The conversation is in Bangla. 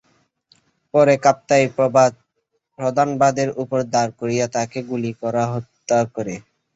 পরে কাপ্তাইয়ের প্রধান বাঁধের ওপর দাঁড় করিয়ে তাঁকে গুলি করে হত্যা করে।